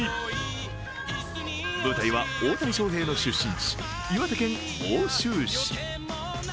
舞台は大谷翔平の出身地、岩手県奥州市。